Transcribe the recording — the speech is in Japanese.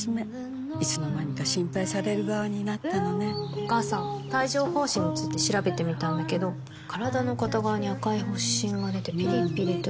お母さん帯状疱疹について調べてみたんだけど身体の片側に赤い発疹がでてピリピリと痛んで症状が長引くことも